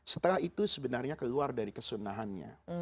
setelah itu sebenarnya keluar dari kesunnahannya